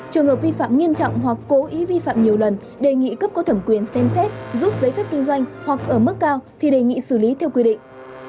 trường hợp vi phạm nghiêm trọng hoặc cố ý vi phạm nhiều lần đề nghị cấp có thẩm quyền xem xét giúp giấy phép kinh doanh hoặc ở mức cao thì đề nghị xử lý theo quy định